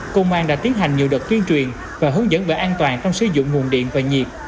công an đã tiến hành nhiều đợt tuyên truyền và hướng dẫn về an toàn trong sử dụng nguồn điện và nhiệt